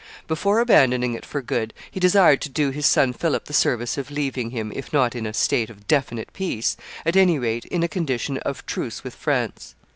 Before abandoning it for good, he desired to do his son Philip the service of leaving him, if not in a state of definite peace, at any rate in a condition of truce with France.